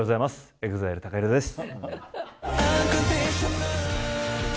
ＥＸＩＬＥＴＡＫＡＨＩＲＯです。